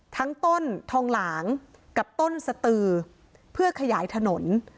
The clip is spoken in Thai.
ต้นทองหลางกับต้นสตือเพื่อขยายถนน